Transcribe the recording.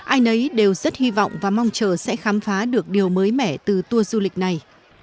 ai nấy đều rất hy vọng và mong chờ sẽ khám phá được điều mới mẻ từ tour du lịch này